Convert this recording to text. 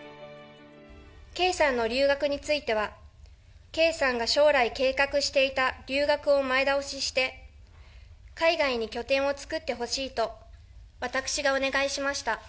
圭さんの留学については、圭さんが将来計画していた留学を前倒しして、海外に拠点を作ってほしいと私がお願いしました。